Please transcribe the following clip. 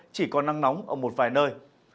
chỉ có nắng nóng ở một vài nơi